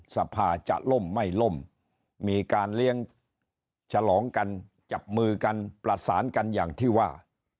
สภาจะล่มไม่ล่มมีการเลี้ยงฉลองกันจับมือกันประสานกันอย่างที่ว่า